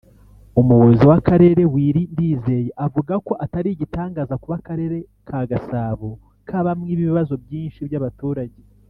Umuyobozi w’Akarere Willy Ndizeye avuga ko atari igitangaza kuba akarere ka Gasabo kabamo ibibazo byinshi by’abaturage